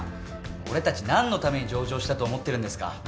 俺たち何のために上場したと思ってるんですか。